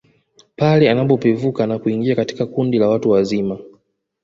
Pale anapopevuka na kuingia katika kundi la watu wazima